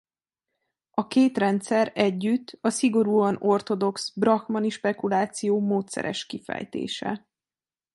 A két rendszer együtt a szigorúan orthodox brahmani spekuláció módszeres kifejtése.